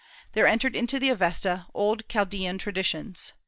There entered into the Avesta old Chaldaean traditions.